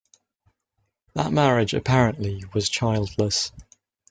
That marriage apparently was childless.